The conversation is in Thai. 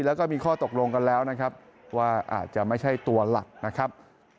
แล้วก็มีข้อตกลงกันแล้วนะครับว่าอาจจะไม่ใช่ตัวหลักนะครับ